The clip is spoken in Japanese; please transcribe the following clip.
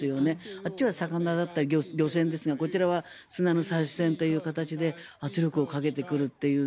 あっちは魚だったり、漁船ですがこちらは砂の採取船という形で圧力をかけてくるという。